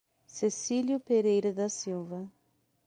Cecilio Pereira da Silva